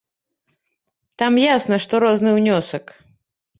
Там ясна, што розны ўнёсак.